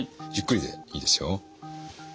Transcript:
ゆっくりでいいですよ。